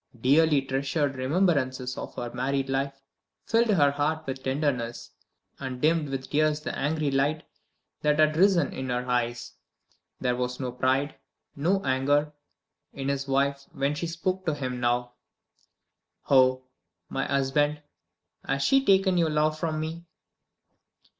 Dearly treasured remembrances of her married life filled her heart with tenderness, and dimmed with tears the angry light that had risen in her eyes. There was no pride, no anger, in his wife when she spoke to him now. "Oh, my husband, has she taken your love from me?"